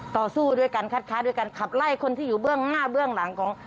ต่อสู้ด้วยการคัดค้าด้วยการขับไล่คนที่อยู่เบื้องหน้าเบื้องหลังของ